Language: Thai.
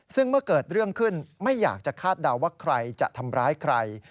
ซึ่งเมื่อเกิดเรื่องขึ้นไม่อยากจะคาดเดาว่าใครจะทำร้ายใคร